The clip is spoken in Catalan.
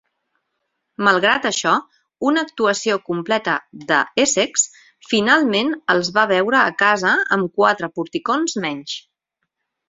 Malgrat això, una actuació completa de Essex, finalment els va veure a casa amb quatre porticons menys.